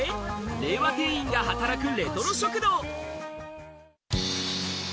令和店員が働くレトロ食堂！